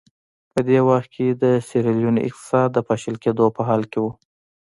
په دې وخت کې د سیریلیون اقتصاد د پاشل کېدو په حال کې و.